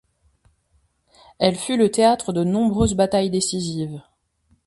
Elle fut le théâtre de nombreuses batailles décisives.